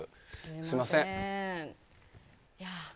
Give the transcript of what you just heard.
すみません。